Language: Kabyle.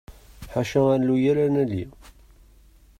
Ḥaca alluy ara nali.